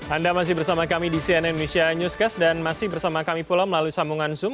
anda masih bersama kami di cnn indonesia newscast dan masih bersama kami pula melalui sambungan zoom